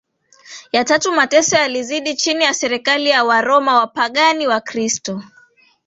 ya tatub mateso yalizidi chini ya serikali ya Waroma Wapagani Wakristo